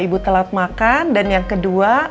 ibu telat makan dan yang kedua